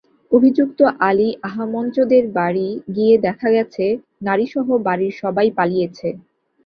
অভিযুক্ত আলী আহামঞ্চদের বাড়ি গিয়ে দেখা গেছে, নারীসহ বাড়ির সবাই পালিয়েছে।